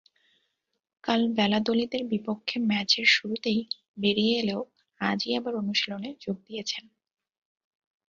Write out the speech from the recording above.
কাল ভ্যালাদোলিদের বিপক্ষে ম্যাচের শুরুতেই বেরিয়ে এলেও আজই আবার অনুশীলনে যোগ দিয়েছেন।